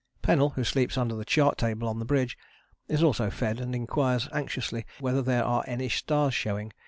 Pennell, who sleeps under the chart table on the bridge, is also fed and inquires anxiously whether there are any stars showing.